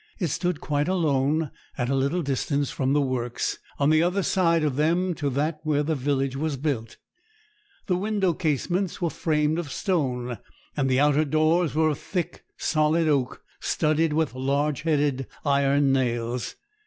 It stood quite alone, at a little distance from the works, on the other side of them to that where the village was built. The window casements were framed of stone; and the outer doors were of thick, solid oak, studded with large headed iron nails.